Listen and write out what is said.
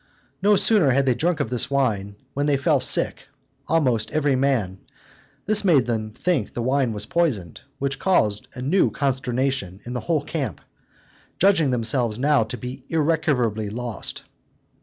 No sooner had they drank of this wine, when they fell sick, almost every man: this made them think the wine was poisoned, which caused a new consternation in the whole camp, judging themselves now to be irrecoverably lost.